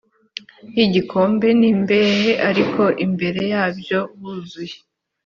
y igikombe n imbehe ariko imbere yabyo huzuye